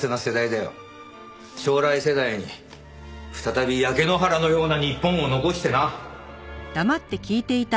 将来世代に再び焼け野原のような日本を残してな。